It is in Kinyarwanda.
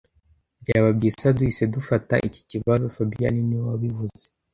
Byaba byiza duhise dufata iki kibazo fabien niwe wabivuze